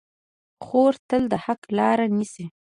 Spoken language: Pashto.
خور تل د حق لاره نیسي.